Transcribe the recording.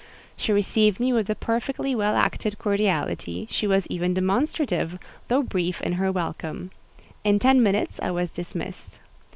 She received me with perfectly well acted cordiality—was even demonstrative, though brief, in her welcome. In ten minutes I was dismissed.